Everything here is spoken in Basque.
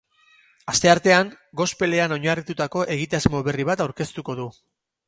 Asteartean, gospelean oinarritutako egitasmo berri bat aurkeztuko du.